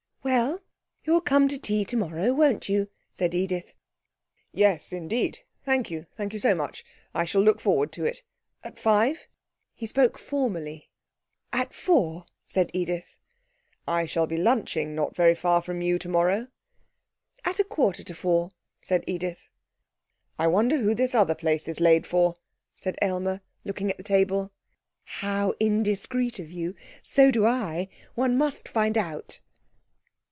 'Well, you'll come to tea tomorrow, won't you? said Edith. 'Yes, indeed, thank you thank you so much. I shall look forward to it. At five?' He spoke formally. 'At four,' said Edith. 'I shall be lunching not very far from you tomorrow.' 'At a quarter to four,' said Edith. 'I wonder who this other place is laid for,' said Aylmer, looking at the table. 'How indiscreet of you! So do I. One must find out.'